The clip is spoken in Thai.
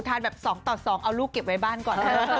ทานแบบสองต่อสองเอาลูกเก็บไว้บ้านก่อน